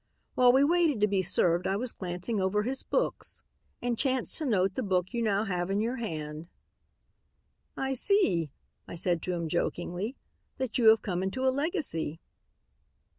While we waited to be served I was glancing over his books and chanced to note the book you now have in your hand. 'I see,' I said to him jokingly, 'that you have come into a legacy.'